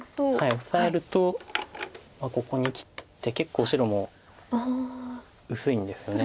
オサえるとここに切って結構白も薄いんですよね。